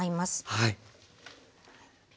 はい。